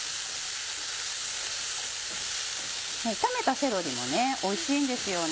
炒めたセロリもおいしいんですよね。